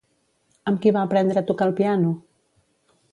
Amb qui va aprendre a tocar el piano?